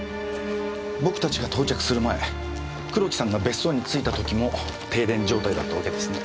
僕たちが到着する前黒木さんが別荘に着いた時も停電状態だったわけですね。